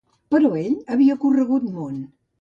Però ell havia corregut món.